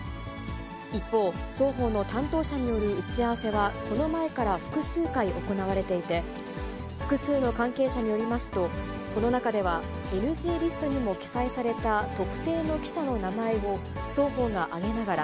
一方、双方の担当者による打ち合わせはこの前から複数回行われていて、複数の関係者によりますと、この中ではＮＧリストにも記載された特定の記者の名前を双方が挙げながら、